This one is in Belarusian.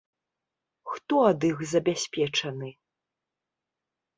Хто ад іх забяспечаны?